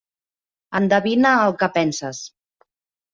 Endevine el que penses.